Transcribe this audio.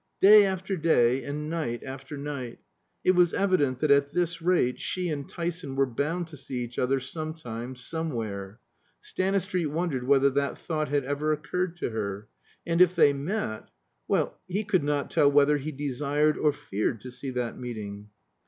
Day after day, and night after night; it was evident that at this rate she and Tyson were bound to see each other some time, somewhere. Stanistreet wondered whether that thought had ever occurred to her. And if they met well, he could not tell whether he desired or feared to see that meeting.